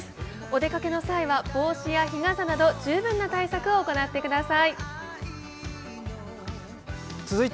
お出かけの際は帽子や日傘など十分な対策を行ってください。